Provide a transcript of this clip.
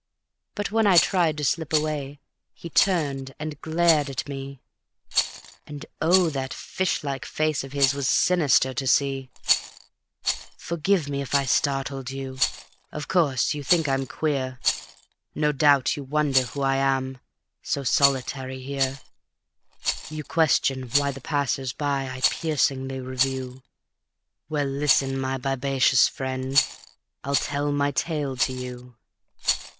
But when I tried to slip away he turned and glared at me, And oh, that fishlike face of his was sinister to see: "Forgive me if I startled you; of course you think I'm queer; No doubt you wonder who I am, so solitary here; You question why the passers by I piercingly review ... Well, listen, my bibacious friend, I'll tell my tale to you.